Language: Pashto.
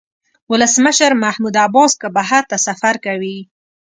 ولسمشر محمود عباس که بهر ته سفر کوي.